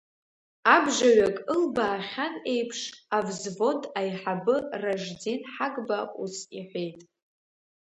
Абжаҩык ылбаахьан еиԥш, авзвод аиҳабы Ражден Ҳагба ус иҳәеит…